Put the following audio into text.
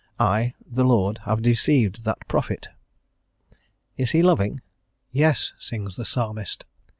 "I, the Lord, have deceived that prophet." Is He loving? "Yes," sings the Psalmist.